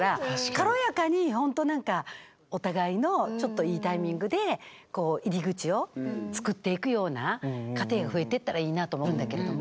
軽やかにほんとなんかお互いのちょっといいタイミングで入り口を作っていくような家庭が増えてったらいいなと思うんだけれども。